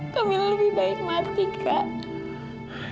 kak mila lebih baik mati kak